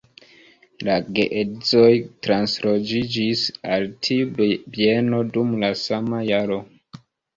La geedzoj transloĝiĝis al tiu bieno dum la sama jaro.